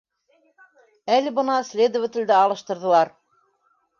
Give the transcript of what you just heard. Әле бына следователде алыштырҙылар.